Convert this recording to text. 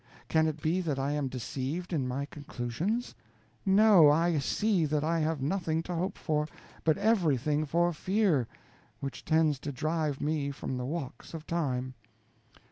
Can it be that I am deceived in my conclusions? No, I see that I have nothing to hope for, but everything to fear, which tends to drive me from the walks of time.